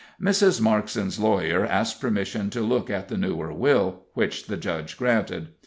Mrs. Markson's lawyer asked permission to look at the newer will, which the judge granted.